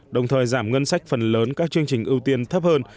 đồng thời giảm ngân sách phần lớn các chương trình ưu tiên thấp hơn